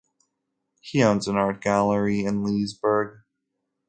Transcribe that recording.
He owns an art gallery in Leesburg.